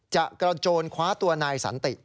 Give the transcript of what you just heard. จะกระโจนคว้าตัวนายสันติ